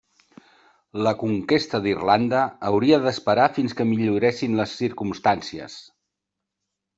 La conquesta d'Irlanda hauria d'esperar fins que milloressin les circumstàncies.